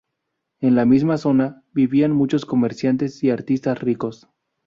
En la misma zona vivían muchos comerciantes y artistas ricos.